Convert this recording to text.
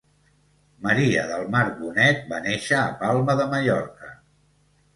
Maria del Mar Bonet, va néixer a Palma de Mallorca.